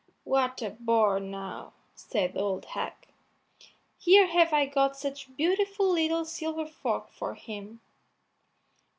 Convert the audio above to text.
"What a bore, now," said the old hag; "here have I got such a beautiful little silver fork for him."